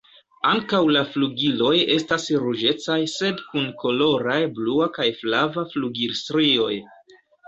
Ankaŭ la flugiloj estas ruĝecaj sed kun koloraj blua kaj flava flugilstrioj.